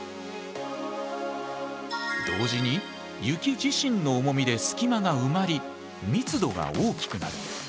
同時に雪自身の重みで隙間が埋まり密度が大きくなる。